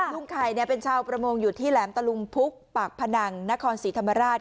ลุงไข่เป็นชาวประมงอยู่ที่แหลมตะลุงพุกปากพนังนครศรีธรรมราช